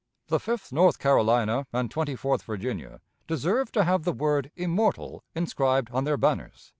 "The Fifth North Carolina and Twenty fourth Virginia deserve to have the word immortal inscribed on their banners."